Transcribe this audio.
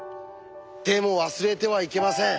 でも忘れてはいけません。